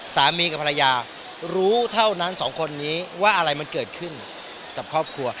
สามีกับภรรยารู้เท่านั้นสองคนนี้ว่าอะไรมันเกิดขึ้นกับครอบครัว